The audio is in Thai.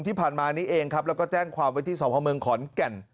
ที่ผ่านมานี้เองครับแล้วก็แจ้งความไว้ที่สพเมืองขอนแก่น